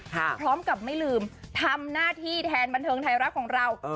พร้อมกับไม่ลืมทำหน้าที่แทนบันเทิงไทยรัฐของเรา